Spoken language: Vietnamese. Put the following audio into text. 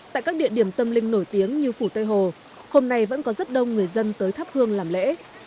tại các địa điểm tâm linh nổi tiếng như phủ tây hồ hôm nay vẫn có rất đông người dân tới thắp hương làm lễ